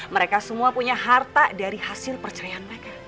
mereka semua punya harta dari hasil perceraian mereka